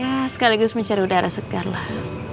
ya sekaligus mencari udara segar lah